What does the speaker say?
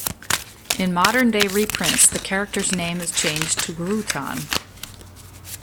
In modern-day reprints the character's name is changed to Grutan.